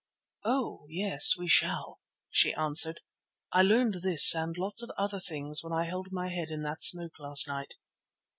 "Oh! yes, we shall," she answered. "I learned this and lots of other things when I held my head in that smoke last night."